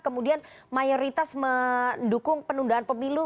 kemudian mayoritas mendukung penundaan pemilu